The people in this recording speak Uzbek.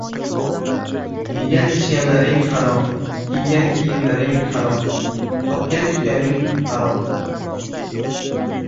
Yegan-ichganlaring — harom, kiygan kiyimlaring — harom, topgan-tutganing — harom.